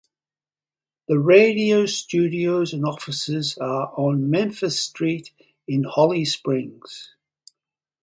The radio studios and offices are on Memphis Street in Holly Springs.